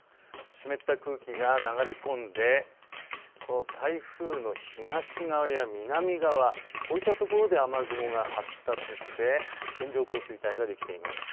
湿った空気が流れ込んで、この台風の東側や南側こういった所で雨雲が発達して線状降水帯ができています。